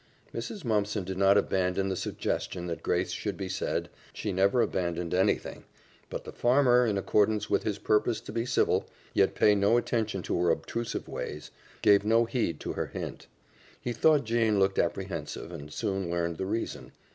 Mrs. Mumpson did not abandon the suggestion that grace should be said, she never abandoned anything, but the farmer, in accordance with his purpose to be civil, yet pay no attention to her obtrusive ways, gave no heed to her hint. He thought Jane looked apprehensive, and soon learned the reason.